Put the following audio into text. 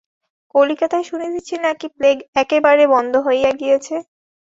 কলিকাতায় শুনিতেছি নাকি প্লেগ একেবারে বন্ধ হইয়া গিয়াছে।